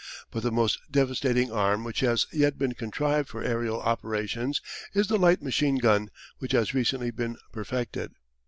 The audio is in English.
But the most devastating arm which has yet been contrived for aerial operations is the light machine gun which has recently been perfected.